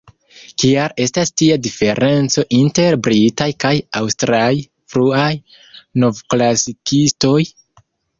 Kial estas tia diferenco inter britaj kaj aŭstraj fruaj novklasikistoj?